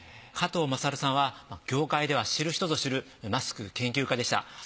加藤賢さんは業界では知る人ぞ知るマスク研究家でした。